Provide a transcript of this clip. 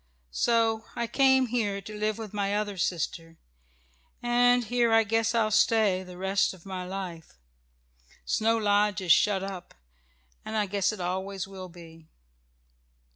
So I came here to live with my other sister, and here I guess I'll stay the rest of my life. Snow Lodge is shut up, and I guess it always will be."